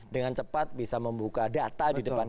dengan cepat bisa membuka data di depan